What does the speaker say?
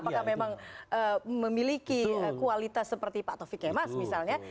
apakah memang memiliki kualitas seperti pak taufik kemas misalnya